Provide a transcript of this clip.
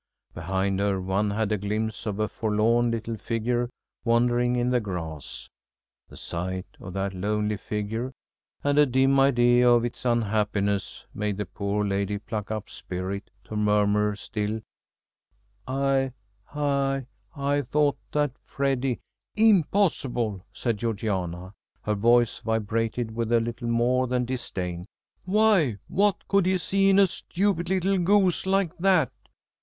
Behind her one had a glimpse of a forlorn little figure wandering in the grass. The sight of that lonely figure, and a dim idea of its unhappiness, made the poor lady pluck up spirit to murmur still "I I I thought that Freddy " "Impossible!" said Georgiana; her voice vibrated with a little more than disdain. "Why, what could he see in a stupid little goose like that?